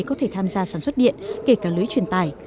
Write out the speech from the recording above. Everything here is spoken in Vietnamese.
có thể tham gia sản xuất điện kể cả lưới truyền tải